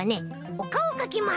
おかおかきます！